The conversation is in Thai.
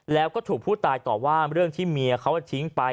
แล้วก็ถูกผู้ตายต่อว่าเรื่องที่เมียเขาทิ้งไป